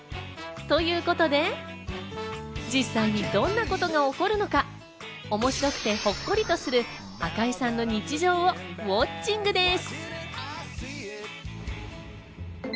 ということで、実際にどんなことが起こるのか、面白くてほっこりする赤井さんの日常をウオッチングです。